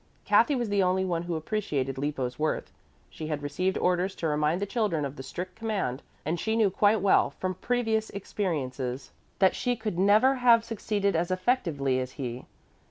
Kathy was the only one who appreciated Lippo's worth. She had received orders to remind the children of the strict command, and she knew quite well from previous experiences that she could never have succeeded as effectively as he.